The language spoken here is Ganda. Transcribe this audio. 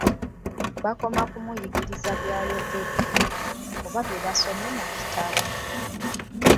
Bakoma ku muyigiriza by'ayogedde, oba bye basomye mu kitabo.